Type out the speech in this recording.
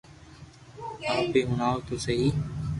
آپ ھي ھڻاو تو سھي